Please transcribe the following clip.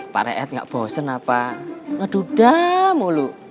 pak re'et gak bosen apa ngedudah mulu